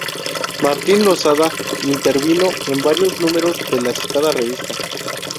Martín Losada intervino en varios números de la citada revista.